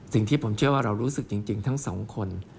สิ่งที่ผมเชื่อว่าเรารู้สึกจริงทั้งสองคน